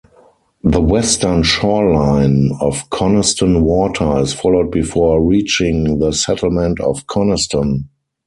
The western shoreline of Coniston Water is followed before reaching the settlement of Coniston.